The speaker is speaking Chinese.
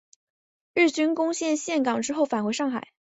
日军攻陷陷港之后返回上海。